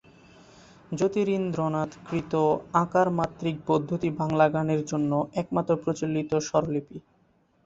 জ্যোতিরিন্দ্রনাথকৃত আকারমাত্রিক পদ্ধতি বাংলা গানের জন্য একমাত্র প্রচলিত স্বরলিপি।